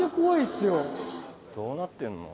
どうなってんの？